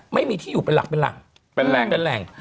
ไม่มีที่อยู่เป็นหลักเป็นแหล่ง